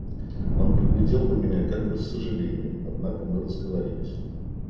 Он поглядел на меня как бы с сожалением; однако мы разговорились.